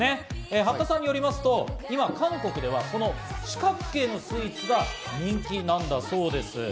八田さんによりますと今、韓国では四角形のスイーツが人気なんだそうです。